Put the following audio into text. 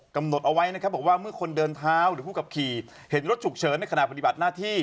กำหนดเอาไว้นะครับบอกว่าเมื่อคนเดินเท้าหรือผู้ขับขี่เห็นรถฉุกเฉินในขณะปฏิบัติหน้าที่